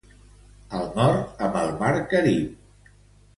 Al nord, amb el Mar Carib.